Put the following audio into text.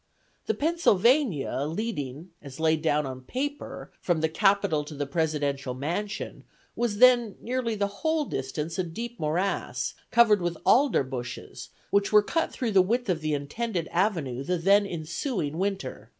The Pennsylvania, leading, as laid down on paper, from the Capitol to the Presidential Mansion, was then nearly the whole distance a deep morass, covered with alder bushes, which were cut through the width of the intended avenue the then ensuing winter.